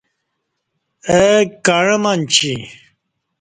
اہ کعں منچ ی